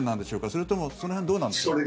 それともその辺どうなんでしょう。